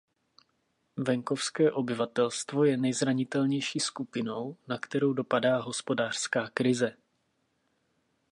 Venkovské obyvatelstvo je nejzranitelnější skupinou, na kterou dopadá hospodářská krize.